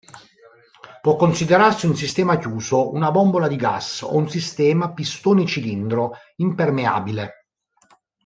Può considerarsi un sistema chiuso una bombola di gas o un sistema pistone-cilindro impermeabile.